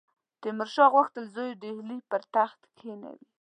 تیمورشاه غوښتل زوی ډهلي پر تخت کښېنوي.